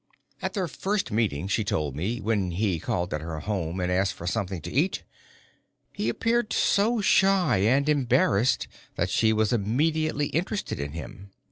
At their first meeting, she told me, when he called at her home and asked for something to eat, he appeared so shy and embarrassed that she was immediately interested in him.